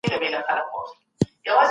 پرشتو د خدای د امر اطاعت وکړ.